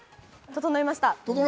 整いました。